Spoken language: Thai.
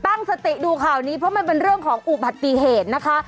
ตั้งสติดูข่าวนี้เพราะมันเป็นเรื่องของอุบัติเหตุนะคะ